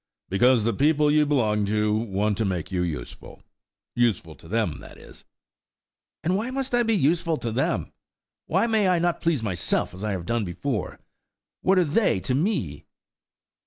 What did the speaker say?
"Because the people you belong to want to make you useful–useful to them, that is." "And why must I be useful to them? Why may I not please myself as I have done before? What are they to me?"